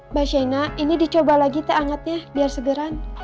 mbak shena ini dicoba lagi teh angetnya biar segeran